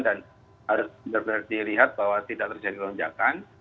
dan harus benar benar dilihat bahwa tidak terjadi lonjakan